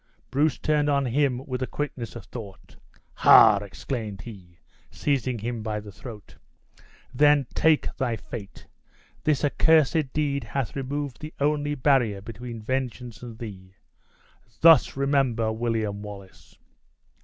Bruce turned on him with the quickness of thought. "Hah!" exclaimed he, seizing him by the throat, "then take thy fate! This accursed deed hath removed the only barrier between vengeance and thee thus remember William Wallace!"